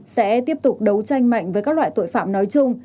sẽ tiếp tục đấu tranh mạnh với các loại tội phạm nói chung